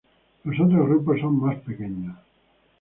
Los otros grupos son más pequeños.